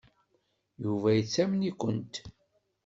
Yuba yettamen-ikent.